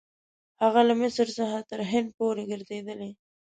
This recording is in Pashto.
هغه له مصر څخه تر هند پورې ګرځېدلی.